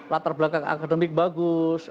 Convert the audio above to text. latar belakang akademik bagus